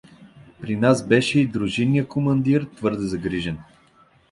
При нас беше и дружинният командир, твърде загрижен.